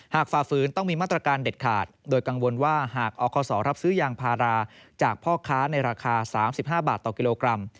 ฝ่าฝืนต้องมีมาตรการเด็ดขาดโดยกังวลว่าหากอคศรับซื้อยางพาราจากพ่อค้าในราคา๓๕บาทต่อกิโลกรัม